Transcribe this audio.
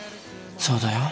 そうだよ。